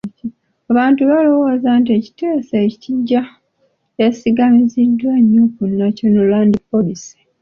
Abantu balowooza nti ekiteeso ekiggya kyesigamiziddwa nnyo ku National Land Policy.